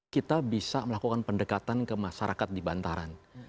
kita bisa melakukan pendekatan ke masyarakat di bantaran